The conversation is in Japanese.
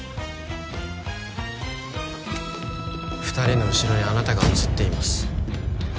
２人の後ろにあなたが写っています。